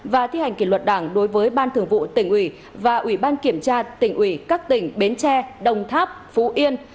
và thi hành kỷ luật đảng đối với ban thường vụ tỉnh ủy và ủy ban kiểm tra tỉnh ủy các tỉnh bến tre đồng tháp phú yên